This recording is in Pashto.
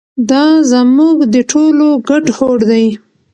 دا زموږ د ټولو ګډ هوډ دی.